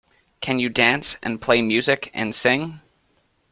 Can you dance, and play music, and sing?